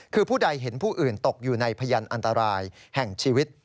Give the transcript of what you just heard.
คือผู้ใดเห็นผู้อื่นตกอยู่ในพยานอันตรายแห่งชีวิต